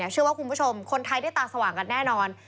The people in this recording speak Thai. เชื่อว่าคุณผู้ชมคนไทยได้ตาสว่างกันแน่นอน